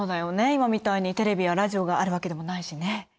今みたいにテレビやラジオがあるわけでもないしね。